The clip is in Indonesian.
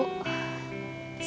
bukan sama anak ibu